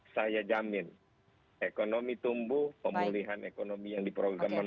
saya jamin ekonomi tumbuh pemulihan ekonomi yang diprogramkan